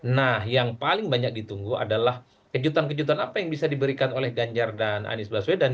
nah yang paling banyak ditunggu adalah kejutan kejutan apa yang bisa diberikan oleh ganjar dan anies baswedan